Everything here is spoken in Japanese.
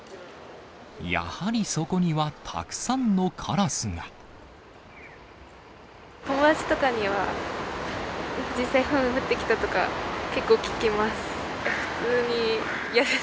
やはりそこにはたくさんのカラス友達とかには、実際、ふん降ってきたとか、結構、聞きます。